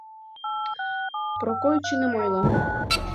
— Прокой чыным ойла.